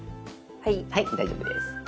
はい大丈夫です。